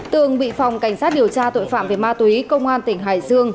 tường bị phòng cảnh sát điều tra tội phạm về ma túy công an tỉnh hải dương